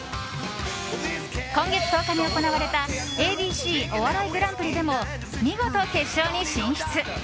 今月１０日に行われたＡＢＣお笑いグランプリでも見事決勝に進出。